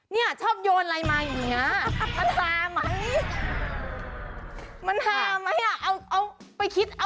เนี่ยชอบโยนอะไรมาอย่างนี้